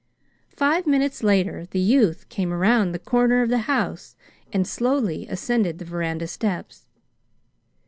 Five minutes later the youth came around the corner of the house and slowly ascended the veranda steps.